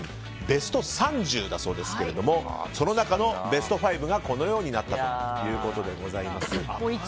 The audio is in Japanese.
ベスト３０だそうですけれどもその中のベスト５がこのようになったということです。